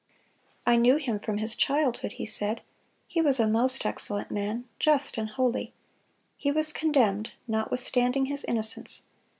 "I knew him from his childhood," he said. "He was a most excellent man, just and holy; he was condemned, notwithstanding his innocence....